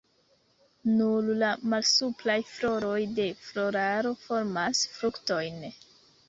Nur la malsupraj floroj de floraro formas fruktojn.